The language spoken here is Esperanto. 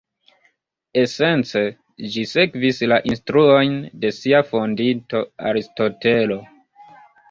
Esence, ĝi sekvis la instruojn de sia fondinto Aristotelo.